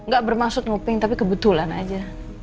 gak bermaksud noping tapi kebetulan aja